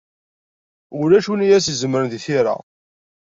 Ulac win i as-izemren deg tira.